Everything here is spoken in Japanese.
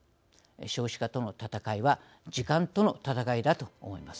少子化との戦いは時間との戦いだと思います。